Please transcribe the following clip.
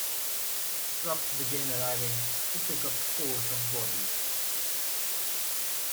Trucks began arriving to pick up scores of bodies.